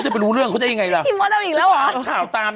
ข่าวตามนี้จะเป็นอะไรก้อ